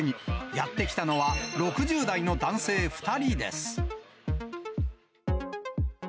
やって来たのは、６０代の男性２人です。